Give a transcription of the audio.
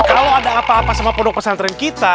kalo ada apa apa sama produk pesantren kita